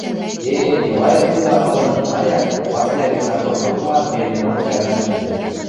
– Э-э, делаэт худа ылыныш, – манят, Васли Александров докыла мелӹнок сӓрнӓл шӹнзӹ.